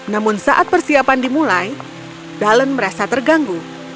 namun saat persiapan dimulai dallon merasa terganggu